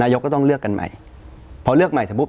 ยกก็ต้องเลือกกันใหม่พอเลือกใหม่สมมุติ